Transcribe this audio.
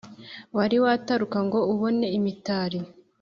Wari wataruka ngo ubone Imitali